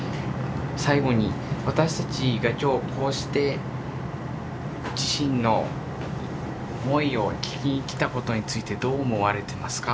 最後に私たちが今日こうして自身の思いを聞きにきたことについてどう思われていますか？